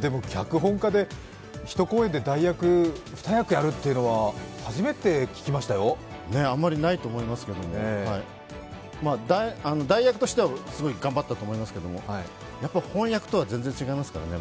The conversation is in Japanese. でも脚本家で一公演で代役２役やるというのはあんまりないと思いますけど、代役としてはすごい頑張ったと思いますけど、本役とは全然違いますからね。